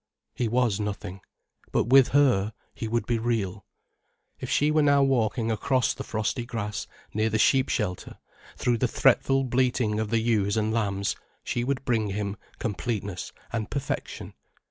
He was nothing. But with her, he would be real. If she were now walking across the frosty grass near the sheep shelter, through the fretful bleating of the ewes and lambs, she would bring him completeness and perfection.